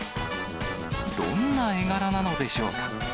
どんな絵柄なのでしょうか。